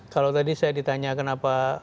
kalau tadi saya ditanya kenapa